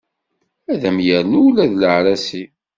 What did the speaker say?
Ad am-yernu ula d leɛrasi.